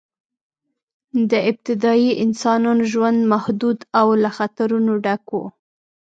د ابتدایي انسانانو ژوند محدود او له خطرونو ډک و.